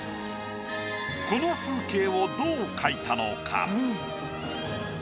この風景をどう描いたのか？